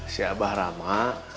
si abah rama